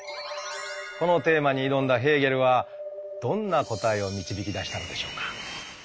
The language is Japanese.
このテーマに挑んだヘーゲルはどんな答えを導き出したのでしょうか？